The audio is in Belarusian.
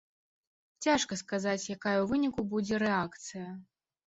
Цяжка сказаць, якая ў выніку будзе рэакцыя.